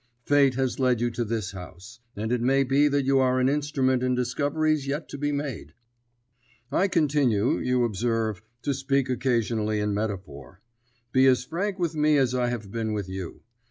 Fate has led you to this house, and it may be that you are an instrument in discoveries yet to be made. I continue, you observe, to speak occasionally in metaphor. Be as frank with me as I have been with you.